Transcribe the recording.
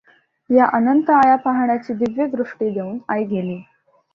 ह्या अनंत आया पाहण्याची दिव्य दृष्टी देऊन आई गेली.